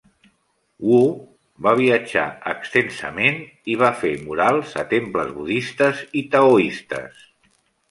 Wu va viatjar extensament i va fer murals a temples budistes i taoistes.